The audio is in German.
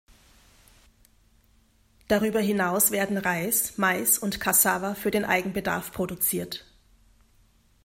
Darüber hinaus werden Reis, Mais und Cassava für den Eigenbedarf produziert.